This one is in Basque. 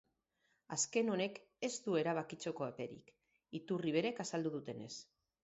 Azken honek ez du erabakitzeko eperik, iturri berek azaldu dutenez.